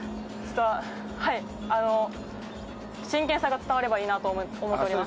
真剣さが伝わるといいなと思っております。